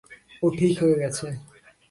ও ঠিক হয়ে গেছে।